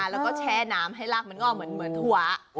แล้วก็แช่น้ำให้ลากมันก็ออกเหมือนถั่ว